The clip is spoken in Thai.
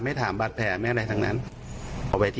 แล้วทำไมถึงมาโรงบาล